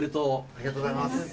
ありがとうございます。